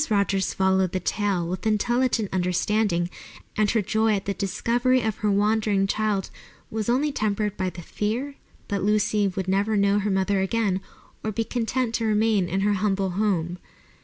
Rogers followed the tale with intelligent understanding, and her joy at the discovery of her wandering child was only tempered by the fear that Lucy would never know her mother again or be content to remain in her humble home.